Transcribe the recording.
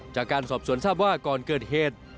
จากการสอบสวนทราบว่าก่อนเกิดเหตุ